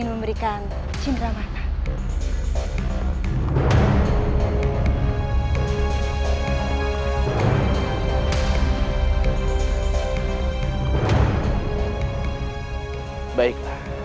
untuk memberikan tanda terima kasihku untuk memberikan tanda terima kasihku